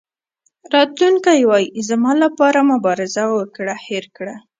راتلونکی وایي زما لپاره مبارزه وکړه هېر کړه.